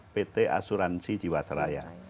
pt asuransi jiwasraya